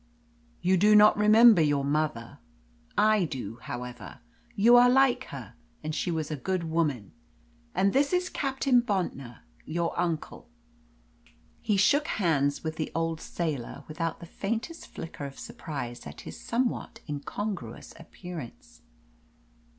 "You do not remember your mother? I do, however. You are like her and she was a good woman. And this is Captain Bontnor your uncle." He shook hands with the old sailor without the faintest flicker of surprise at his somewhat incongruous appearance.